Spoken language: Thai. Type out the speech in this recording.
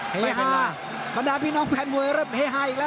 เฮฮาบรรดาพี่น้องแฟนมวยเริ่มเฮฮาอีกแล้ว